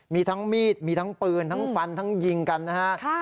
มีทั้งมีดมีทั้งปืนทั้งฟันทั้งยิงกันนะฮะ